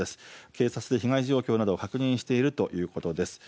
警察で被害状況などを確認しているということです。